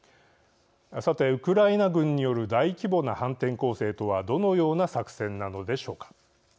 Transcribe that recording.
さてウクライナ軍による大規模な反転攻勢とはどのような作戦なのでしょうか。